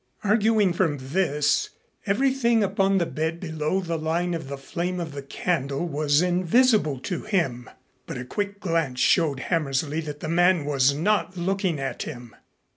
Arguing from this, everything upon the bed below the line of the flame of the candle was invisible to him. But a quick glance showed Hammersley that the man was not looking at him.